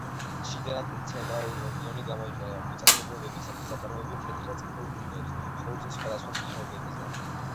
შიდა ნაწილი, ცენტრალური რეგიონი გამოიყენება მიწათმოქმედებისათვის, აწარმოებენ თეთრ და წითელ ღვინოებს, ყურძნის სხვადასხვა სახეობებისგან.